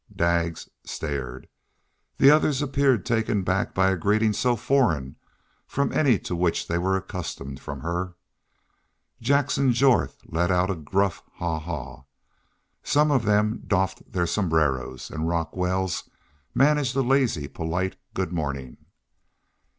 Daggs stared. The others appeared taken back by a greeting so foreign from any to which they were accustomed from her. Jackson Jorth let out a gruff haw haw. Some of them doffed their sombreros, and Rock Wells managed a lazy, polite good morning.